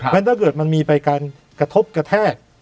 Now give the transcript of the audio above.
ถ้าเกิดมันมีไปการกระทบกระแทก